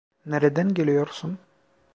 Nereden geliyorsun?